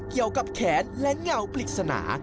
เกี่ยวกับแขนและเงาปริศนา